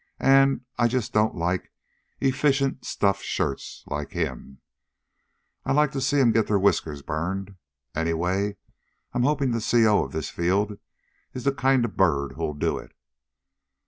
"And, I just don't like efficient stuffed shirts like him. I like to see them get their whiskers burned. Anyway, I'm hoping that the C.O. of this field is the kind of a bird who'll do it.